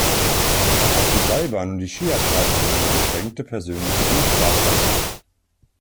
Auch die Seilbahn und die Skiabfahrt sind eine beschränkte persönliche Dienstbarkeit.